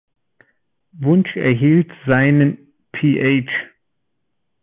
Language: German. Wunsch erhielt seinen Ph.